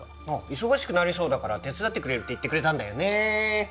忙しくなりそうだから手伝ってくれるって言ってくれたんだよね